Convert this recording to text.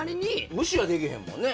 無視はできへんもんね。